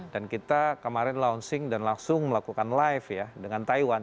dan kita kemarin launching dan langsung melakukan live ya dengan taiwan